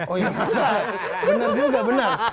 oh iya benar juga nggak benar